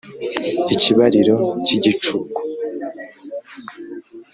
Ikibariro cy'igicuku